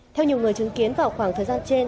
theo nhiều người chứng kiến vào khoảng thời gian trên